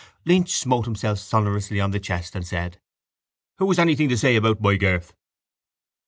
Lynch smote himself sonorously on the chest and said: —Who has anything to say about my girth?